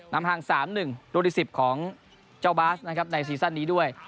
นำห่างสามหนึ่งโดยที่สิบของเจ้าบาสนะครับในซีซั่นนี้ด้วย